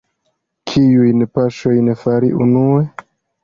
Kiujn paŝojn fari unue?